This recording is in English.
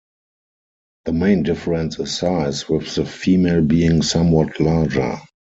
The main difference is size, with the female being somewhat larger.